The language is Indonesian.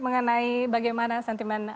mengenai bagaimana sentimen